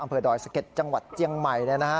อัมเภอดออยสะเก็ดจังหวัดเจียงใหม่